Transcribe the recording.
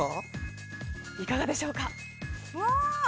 いかがでしょうか？